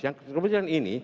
yang kebetulan ini